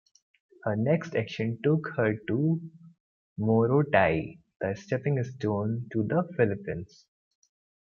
Her next action took her to Morotai, the stepping stone to the Philippines.